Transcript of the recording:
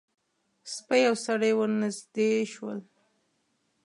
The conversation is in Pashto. سپی او سړی ور نږدې شول.